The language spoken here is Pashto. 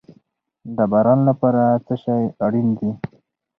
د باران لپاره څه شی اړین دي؟